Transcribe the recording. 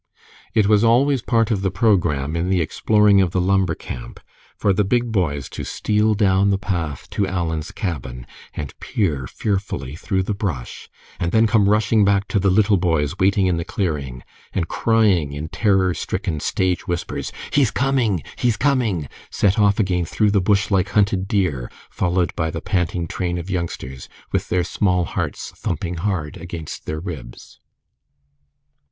It was always part of the programme in the exploring of the Lumber Camp for the big boys to steal down the path to Alan's cabin, and peer fearfully through the brush, and then come rushing back to the little boys waiting in the clearing, and crying in terror stricken stage whispers, "He's coming! He's coming!" set off again through the bush like hunted deer, followed by the panting train of youngsters, with their small hearts thumping hard against their ribs.